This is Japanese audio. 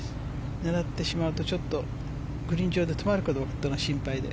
狙ってしまうとグリーン上で止まるかどうかが心配で。